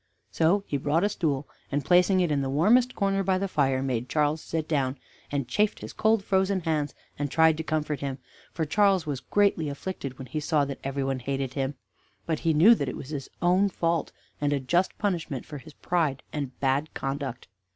So he brought a stool, and, placing it in the warmest corner by the fire, made Charles sit down, and chafed his cold frozen hands, and tried to comfort him; for Charles was greatly afflicted when he saw that everyone hated him; but he knew that it was his own fault, and a just punishment for his pride and bad conduct.